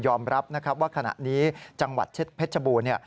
ยอมรับว่าขณะนี้จังหวัดเพชรบูรณ์